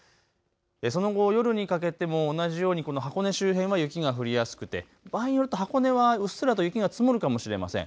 その後、夜にかけても同じようにこの箱根周辺は雪が降りやすくて、場合によると箱根はうっすらと雪が積もるかもしれません。